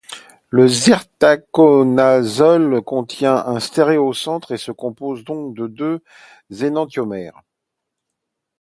Le sertaconazole contient un stéréocentre et se compose donc de deux énantiomères.